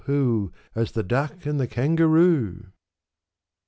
who, As the Duck and the Kangaroo?